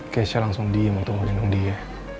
keisha langsung diem waktu gue nunggu dia